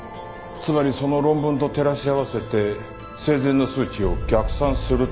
つまりその論文と照らし合わせて生前の数値を逆算するって事か。